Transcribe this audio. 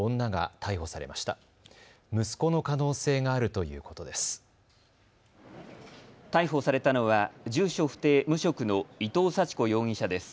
逮捕されたのは住所不定・無職の伊藤祥子容疑者です。